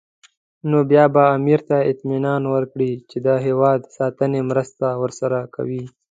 نو بیا به امیر ته اطمینان ورکړي چې د هېواد ساتنې مرسته ورسره کوي.